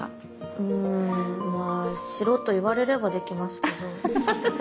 うんまあしろと言われればできますけど。